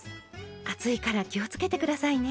熱いから気をつけて下さいね。